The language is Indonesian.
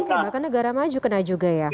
oke bahkan negara maju kena juga ya